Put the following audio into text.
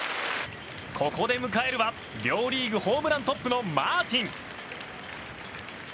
ここで迎えるは両リーグホームラントップのマーティン。